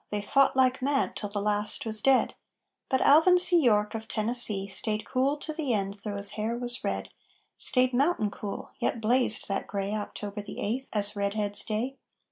They fought like mad till the last was dead; But Alvin C. York, of Tennessee, Stayed cool to the end though his hair was red, Stayed mountain cool, yet blazed that gray October the Eighth as Redhead's Day.